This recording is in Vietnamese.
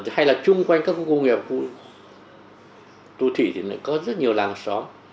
hay là chung quanh các công nghệ đô thị thì có rất nhiều làng xóm